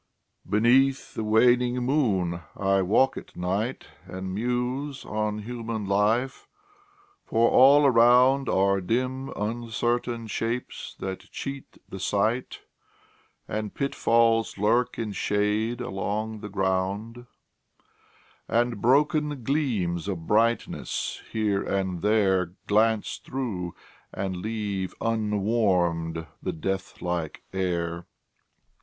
Beneath the waning moon I walk at night, And muse on human life for all around Are dim uncertain shapes that cheat the sight, And pitfalls lurk in shade along the ground, And broken gleams of brightness, here and there, Glance through, and leave unwarmed the death like air.